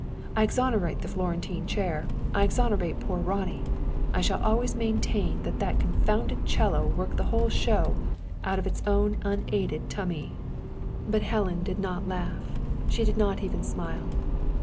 I exonerate the Florentine chair; I exonerate poor Ronnie. I shall always maintain that that confounded 'cello worked the whole show, out of its own unaided tummy!" But Helen did not laugh. She did not even smile.